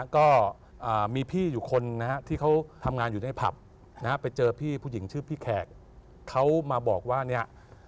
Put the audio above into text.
ก็มีพี่อยู่คนนะฮะที่เขาทำงานอยู่ในผับนะฮะไปเจอพี่ผู้หญิงชื่อพี่แขกเขามาบอกว่าเนี่ย